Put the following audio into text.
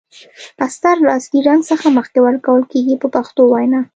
استر له اصلي رنګ څخه مخکې ورکول کیږي په پښتو وینا.